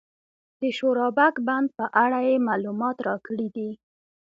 د شورابک بند په اړه یې معلومات راکړي دي.